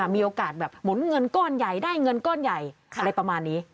มีโอกาสแบบหมุนเงินก้อนใหญ่ได้เงินก้อนใหญ่อะไรประมาณนี้